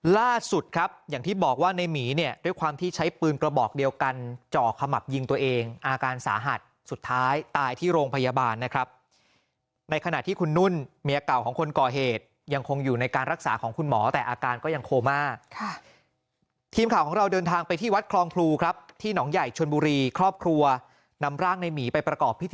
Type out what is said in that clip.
ล่าสุดครับอย่างที่บอกว่าในหมีเนี่ยด้วยความที่ใช้ปืนกระบอกเดียวกันจ่อขมับยิงตัวเองอาการสาหัสสุดท้ายตายที่โรงพยาบาลนะครับในขณะที่คุณนุ่นเมียเก่าของคนก่อเหตุยังคงอยู่ในการรักษาของคุณหมอแต่อาการก็ยังโคม่าทีมข่าวของเราเดินทางไปที่วัดคลองพลูครับที่หนองใหญ่ชนบุรีครอบครัวนำร่างในหมีไปประกอบพิธี